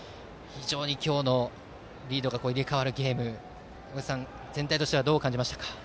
今日のリードが入れ替わるゲーム全体としてはどう感じましたか。